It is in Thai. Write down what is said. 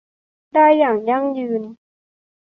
ได้อย่างยั่งยืน